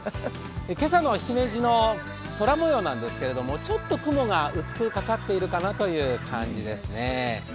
今朝の姫路の空もようなんですけど雲が薄くかかっているかなという感じですね。